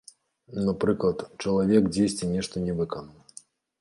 Напрыклад, чалавек дзесьці нешта не выканаў.